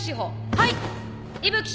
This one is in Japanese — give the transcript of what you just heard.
はい。